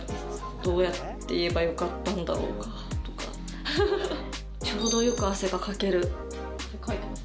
どうやって言えばよかったんだろうかとかちょうどよく汗がかける汗かいてます？